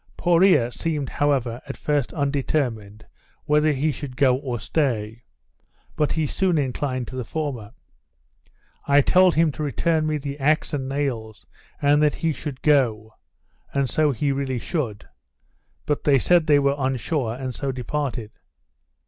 Poreo seemed, however, at first undetermined whether he should go or stay; but he soon inclined to the former. I told them to return me the axe and nails, and then he should go, (and so he really should,) but they said they were on shore, and so departed.